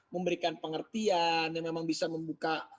memberikan pengertian dan memang bisa membuka